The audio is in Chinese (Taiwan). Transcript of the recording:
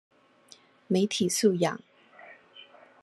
媒體素養